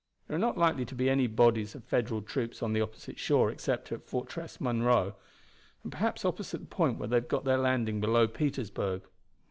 There are not likely to be any bodies of Federal troops on the opposite shore except at Fortress Monroe, and perhaps opposite the point where they have got their landing below Petersburg.